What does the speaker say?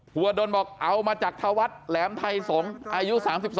หัวดลบอกเอามาจากธวัฒน์แหลมไทยสงฆ์อายุ๓๒